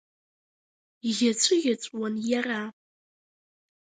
Иӷьаҵәыӷьаҵәуан иара.